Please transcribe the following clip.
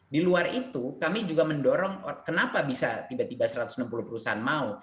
di luar itu kami juga mendorong kenapa bisa tiba tiba satu ratus enam puluh perusahaan mau